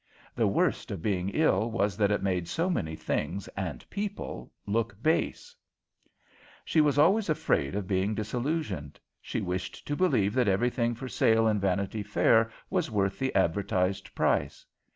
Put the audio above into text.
The worst of being ill was that it made so many things and people look base. She was always afraid of being disillusioned. She wished to believe that everything for sale in Vanity Fair was worth the advertised price.